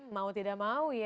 mau tidak mau ya